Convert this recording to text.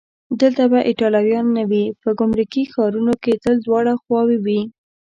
دلته به ایټالویان نه وي؟ په ګمرکي ښارونو کې تل دواړه خواوې وي.